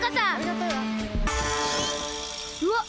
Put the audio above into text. うわっ！